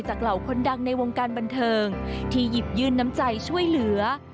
เหล่าคนดังในวงการบันเทิงที่หยิบยื่นน้ำใจช่วยเหลือ